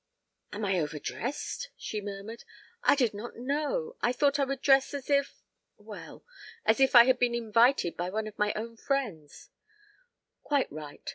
"Am I overdressed?" she murmured. "I did not know. ... I thought I would dress as if well, as if I had been invited by one of my own friends " "Quite right.